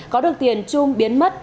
có được tiền trung biến mất